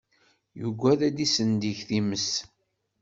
Yugad ad isendeg times.